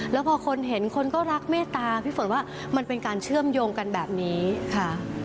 แล้วพอคนเห็นคนก็รักเมตตาพี่ฝนว่ามันเป็นการเชื่อมโยงกันแบบนี้ค่ะ